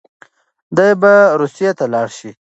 دی به روسيې ته لاړ شي.